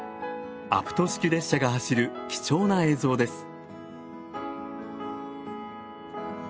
アプト式列車が走る貴重な映像です。